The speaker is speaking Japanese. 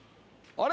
あれ？